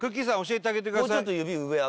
さん教えてあげてください。